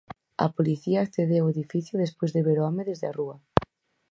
A policía accedeu ao edificio despois de ver o home desde a rúa.